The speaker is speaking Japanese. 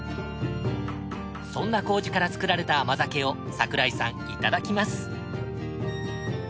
そんな糀から作られた甘酒を櫻井さんいただきます。